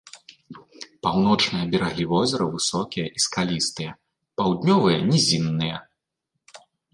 Паўночныя берагі возера высокія і скалістыя, паўднёвыя нізінныя.